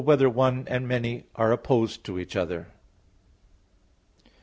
2] Whether "One" and "Many" Are Opposed to Each Other?